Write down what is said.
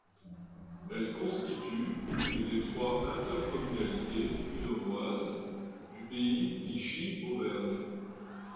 Elle constitue l'une des trois intercommunalités puydômoises du pays Vichy-Auvergne.